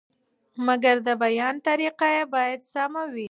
مګر د بیان طریقه یې باید سمه وي.